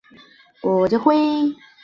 国会解散后返乡归里独居。